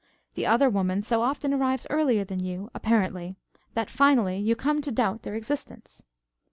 The other woman so often arrives earlier than you, apparently, that finally you come to doubt their existence.